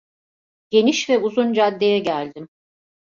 Geniş ve uzun caddeye geldim.